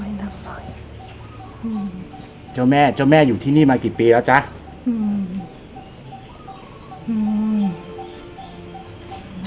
น้ำตายอืมเจ้าแม่เจ้าแม่อยู่ที่นี่มากี่ปีแล้วจ๊ะอืม